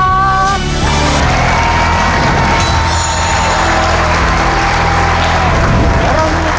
และรับทุนไปต่อชีวิตสูงสุด๑ล้านบาท